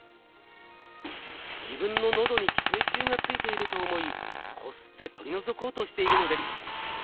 自分の喉に寄生虫がついていると思いこすって取り除こうとしているのです。